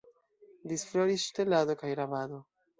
Disfloris ŝtelado kaj rabado.